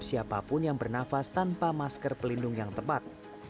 siapapun yang bernafas tanpa masker pelindung yang tepat